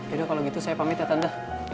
yaudah kalo gitu saya pamit ya tante